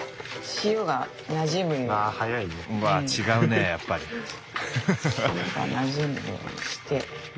塩がなじむようにして。